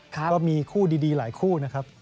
ก็มีคู่ดีหลายคู่นะครับ